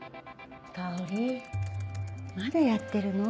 香織まだやってるの？